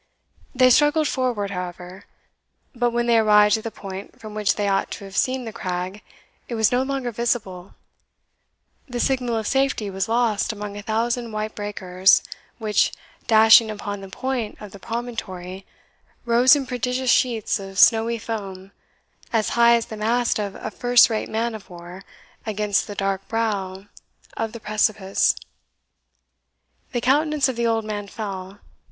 They struggled forward, however; but, when they arrived at the point from which they ought to have seen the crag, it was no longer visible: the signal of safety was lost among a thousand white breakers, which, dashing upon the point of the promontory, rose in prodigious sheets of snowy foam, as high as the mast of a first rate man of war, against the dark brow of the precipice. The countenance of the old man fell.